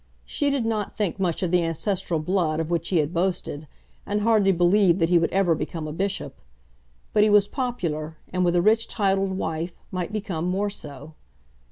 She did not think much of the ancestral blood of which he had boasted, and hardly believed that he would ever become a bishop. But he was popular, and with a rich, titled wife, might become more so.